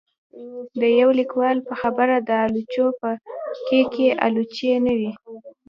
د يو ليکوال په خبره د آلوچو په کېک کې آلوچې نه وې